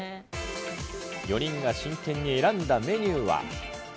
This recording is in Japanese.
４人が真剣に選んだメニューは。